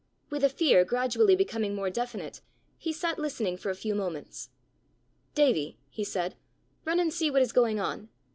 With a fear gradually becoming more definite, he sat listening for a few moments. "Davie," he said, "run and see what is going on."